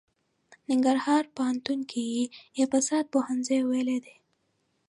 ننګرهار پوهنتون کې يې اقتصاد پوهنځی ويلی دی.